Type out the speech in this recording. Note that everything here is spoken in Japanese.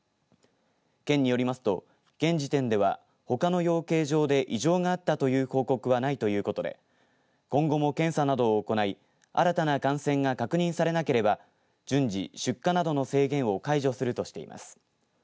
県によりますと現時点ではほかの養鶏場で異常があったという報告はないということで今後も検査などを行い新たな感染が確認されなければ順次出荷などの制限を解除するとしています。